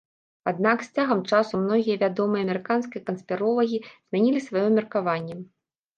Аднак з цягам часу многія вядомыя амерыканскія канспіролагі змянілі сваё меркаванне.